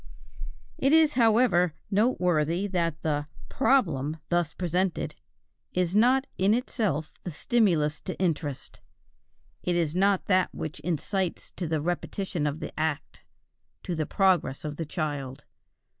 It is, however, noteworthy that the "problem" thus presented is not in itself the stimulus to interest; it is not that which incites to the repetition of the act to the progress of the child.